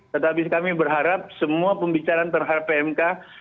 tetapi kami berharap semua pembicaraan terhadap pmk